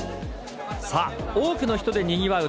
さあ、多くの人でにぎわう